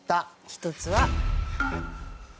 １つは「な」。